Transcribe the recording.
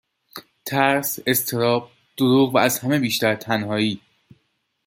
ترس ، اضطراب ، دروغ و از همه بیشتر تنهایی